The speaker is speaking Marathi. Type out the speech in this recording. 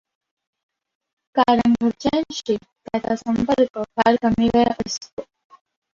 कारण घरच्याशी त्याचा संपर्क फार कमी वेळ असतो.